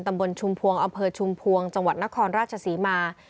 ชุมพวงอำเภอชุมพวงจังหวัดนครราชศรีมา